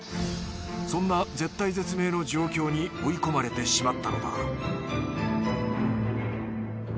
そんな絶体絶命の状況に追い込まれてしまったのだ